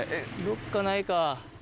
どっかないか？